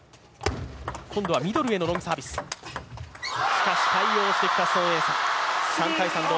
しかし、対応してきた、孫エイ莎。